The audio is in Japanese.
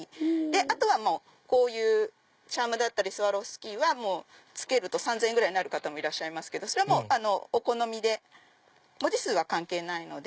あとはこういうチャームだったりスワロフスキーはつけると３０００円ぐらいになる方もいらっしゃいますけどそれはもうお好みで文字数は関係ないので。